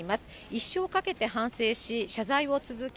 一生かけて反省し、謝罪を続け、